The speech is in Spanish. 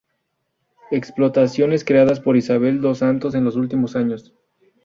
Explotaciones creadas por Isabel dos Santos, en los últimos años.